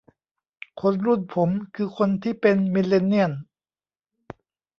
คนรุ่นผมคือคนที่เป็นมิลเลนเนียล